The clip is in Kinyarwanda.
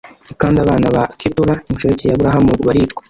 kandi abana ba ketura inshoreke ya aburahamu baricwa